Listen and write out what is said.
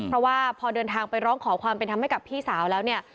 เพราะว่าพอเดินทางไปร้องขอความเป็นธรรมให้กับพี่สาวแล้วเนี่ย